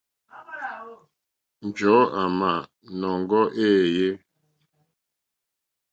Njɔ̀ɔ́ àmǎnɔ́ŋgɛ̄ éèyé.